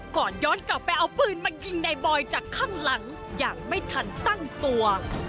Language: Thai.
ก่อนย้อนกลับไปเอาปืนมายิงในบอยจากข้างหลังอย่างไม่ทันตั้งตัว